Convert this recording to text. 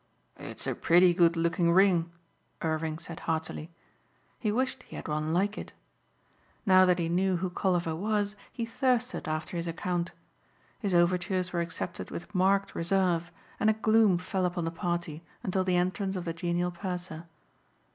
"It's a pretty good looking ring," Irving said heartily. He wished he had one like it. Now that he knew who Colliver was he thirsted after his account. His overtures were accepted with marked reserve and a gloom fell upon the party until the entrance of the genial purser.